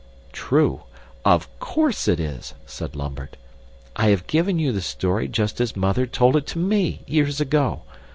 "True! Of course it is," said Lambert. "I have given you the story just as Mother told it to me, years ago.